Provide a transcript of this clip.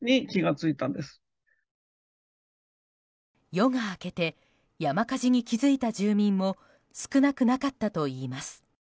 夜が明けて山火事に気づいた住民も少なくなかったといいます。